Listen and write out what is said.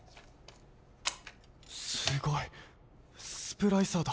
すごいスプライサーだ。